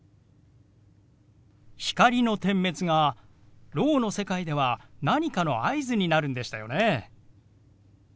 光の点滅がろうの世界では何かの合図になるんでしたよね。